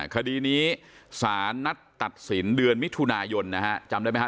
คดีนี้สารนัดตัดสินเดือนมิถุนายนนะฮะจำได้ไหมฮ